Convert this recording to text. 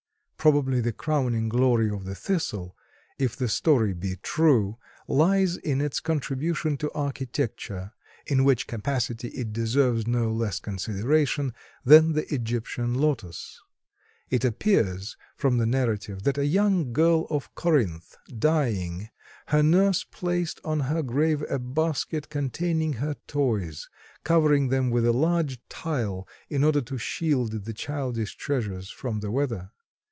Probably the crowning glory of the Thistle, if the story be true, lies in its contribution to architecture, in which capacity it deserves no less consideration than the Egyptian lotus. It appears from the narrative that a young girl of Corinth dying, her nurse placed on her grave a basket containing her toys, covering them with a large tile in order to shield the childish treasures from the weather.